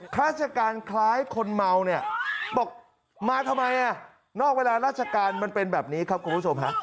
ราชการคล้ายคนเมาเนี่ยบอกมาทำไมนอกเวลาราชการมันเป็นแบบนี้ครับคุณผู้ชมฮะ